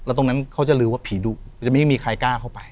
ตรงนั้นเขาจะลืมว่าผีดุจะไม่มีใครกล้าเข้าไป